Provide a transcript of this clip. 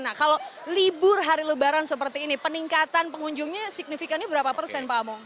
nah kalau libur hari lebaran seperti ini peningkatan pengunjungnya signifikannya berapa persen pak among